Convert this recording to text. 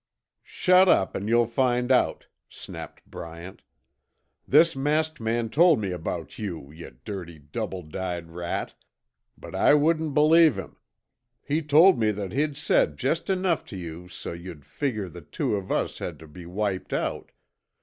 "Shut up an' you'll find out," snapped Bryant. "This masked man told me about you, yuh dirty double dyed rat, but I wouldn't believe him! He told me that he'd said jest enough tuh you so you'd figger the two of us had tuh be wiped out.